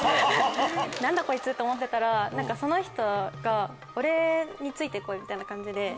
何だこいつ！と思ってたらその人が「俺について来い」みたいな感じで。